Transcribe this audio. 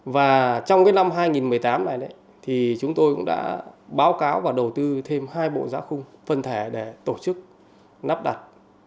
và trong năm hai nghìn một mươi tám này thì chúng tôi cũng đã báo cáo và đầu tư thêm hai bộ giã khung phân thể để tổ chức nắp đặt